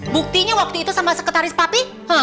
buktinya waktu itu sama sekretaris papi